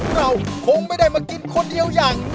เราไม่ได้มากินคนเดียว